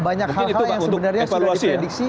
banyak hal hal yang sebenarnya sudah diprediksi